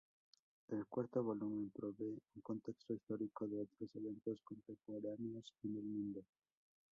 El cuarto volumen provee un contexto histórico de otros eventos contemporáneos en el mundo.